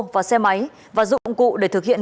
và xe máy và dụng cụ để thực hiện